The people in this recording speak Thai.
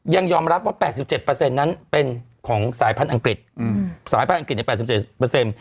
ยังยอมรับว่า๘๗นั้นเป็นของสายพันธุ์อังกฤษสายพันธุ์อังกฤษ๘๗